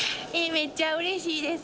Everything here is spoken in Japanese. めっちゃうれしいです。